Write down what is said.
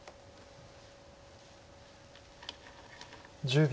１０秒。